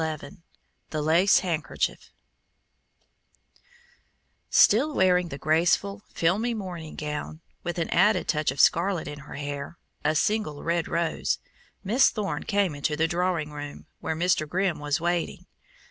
XI THE LACE HANDKERCHIEF Still wearing the graceful, filmy morning gown, with an added touch, of scarlet in her hair a single red rose Miss Thorne came into the drawing room where Mr. Grimm sat waiting.